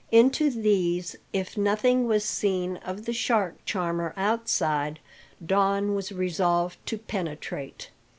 Into these, if nothing was seen of the shark charmer outside, Don was resolved to penetrate.